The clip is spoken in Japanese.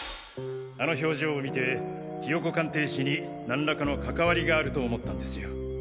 あの表情を見てひよこ鑑定士に何らかの関わりがあると思ったんですよ。